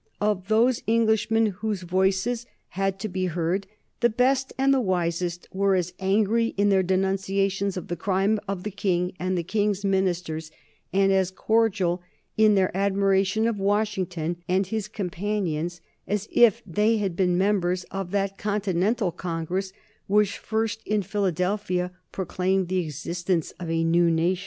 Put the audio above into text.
Of those Englishmen whose voices had to be heard, the best and the wisest were as angry in their denunciations of the crime of the King and the King's ministers, and as cordial in their admiration of Washington and his companions, as if they had been members of that Continental Congress which first in Philadelphia proclaimed the existence of a new nation.